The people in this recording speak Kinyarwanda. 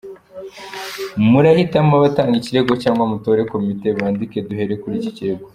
Murahitamo abatanga ikirego cyangwa mutore komite bandike duhere kuri iki kirego.